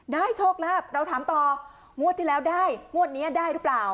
โชคลาภเราถามต่องวดที่แล้วได้งวดนี้ได้หรือเปล่า